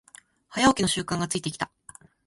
早起きの習慣がついてきた